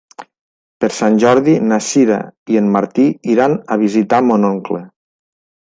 Per Sant Jordi na Sira i en Martí iran a visitar mon oncle.